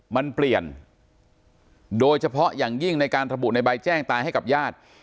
มันเปลี่ยนโดยเฉพาะอย่างยิ่งในการระบุในใบแจ้งตายให้กับญาติ